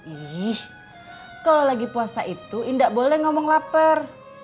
ih kalau lagi puasa itu indah boleh ngomong lapar